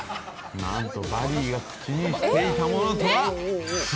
何とバリーが口にしていたものとは芝。